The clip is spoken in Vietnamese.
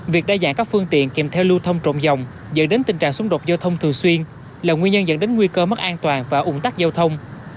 việc đa dạng các phương tiện kèm theo lưu thông trộm dòng dẫn đến tình trạng xung đột giao thông thường xuyên là nguyên nhân dẫn đến nguy cơ mất an toàn và ủng tắc giao thông